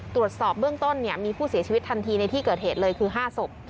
ตรวจสอบเบื้องต้นมีผู้เสียชีวิตทันทีในที่เกิดเหตุเลยคือ๕ศพ